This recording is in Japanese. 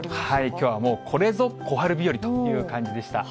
きょうはもう、これぞ小春日和という感じでした。